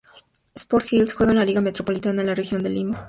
Sport Girls juega en la liga Metropolitana, en la región de Lima.